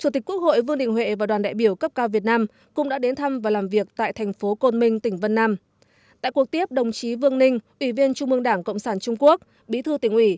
tại cuộc tiếp đồng chí vương ninh ủy viên trung mương đảng cộng sản trung quốc bí thư tỉnh ủy